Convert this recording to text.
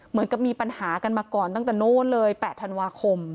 เหมือนกับมีปัญหากันมาก่อนตั้งแต่โน้นเลย๘ธันวาคม